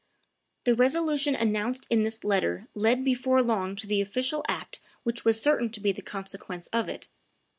] The resolution announced in this letter led before long to the official act which was certain to be the consequence of it.